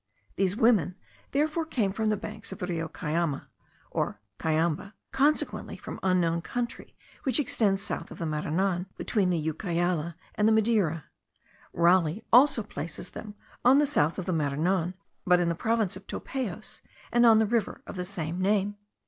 These women therefore came from the banks of the Rio Cayame, or Cayambe, consequently from the unknown country which extends south of the Maranon, between the Ucayale and the Madeira. Raleigh also places them on the south of the Maranon, but in the province of Topayos, and on the river of the same name.